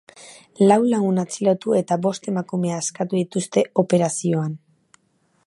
Lau lagun atxilotu eta bost emakume askatu dituzte operazioan.